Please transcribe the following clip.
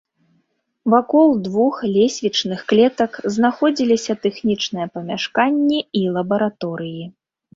Вакол двух лесвічных клетак знаходзіліся тэхнічныя памяшканні і лабараторыі.